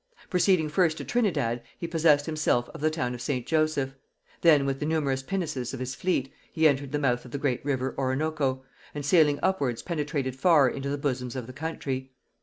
Proceeding first to Trinidad, he possessed himself of the town of St. Joseph; then, with the numerous pinnaces of his fleet, he entered the mouth of the great river Oronoco, and sailing upwards penetrated far into the bosom of the country.